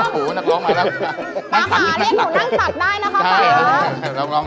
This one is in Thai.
เฮ่ยนี่นักร้อง